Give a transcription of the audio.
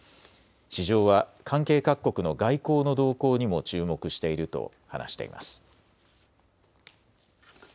市場は関係各国の外交の動向にも注目していると話しています。